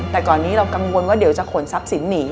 แต่ก่อนนี้เรากังวลว่าเดี๋ยวจะขนทรัพย์สินหนี